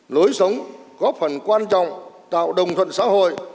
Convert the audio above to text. lối sống góp phần quan trọng tạo đồng thuận xã hội